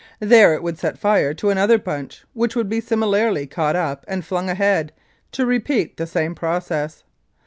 There it would set fire to another bunch, which would be similarly caught up and flung ahead, to repeat the same process.